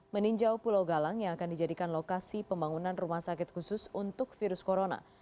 meninjau pulau galang yang akan dijadikan lokasi pembangunan rumah sakit khusus untuk virus corona